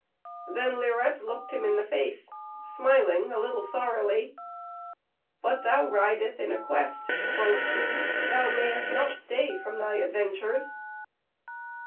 Then Lirette looked him in the face, smiling a little sorrily. "But thou ridest in a quest," quoth she, "thou mayst not stay from thy adventures."